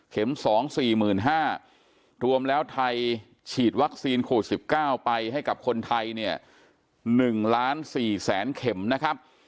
เข็ม๒๐๐๐๔๕๐๐๐รวมแล้วไทยฉีดวัคซีนโคล๑๙ไปให้กับคนไทย๑๔๐๐๐๐๐เข็มนะครับ